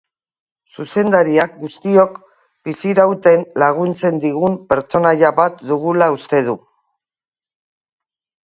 Zuzendariak guztiok bizirauten laguntzen digun pertsonaia bat dugula uste du.